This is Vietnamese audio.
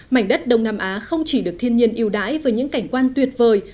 mảnh đất đông nam á không chỉ được thiên nhiên yêu đáy với những cảnh quan tuyệt vời